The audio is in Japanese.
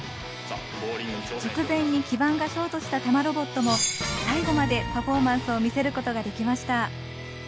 直前に基盤がショートした玉ロボットも最後までパフォーマンスを見せることができました。